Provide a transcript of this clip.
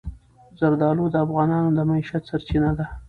زردالو د افغانانو د معیشت سرچینه ده.